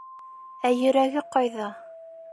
— Ә йөрәге ҡайҙа?